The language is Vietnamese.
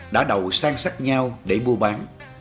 đã đầu sang sắt nhau để mua bán